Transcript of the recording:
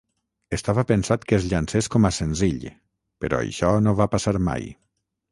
Estava pensat que es llancés com a senzill, però això no va passar mai.